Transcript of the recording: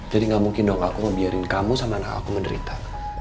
jadi gak mungkin dong aku ngebiarin kamu sama anak aku menderita